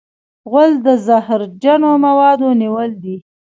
غول د زهرجنو موادو نیول دی.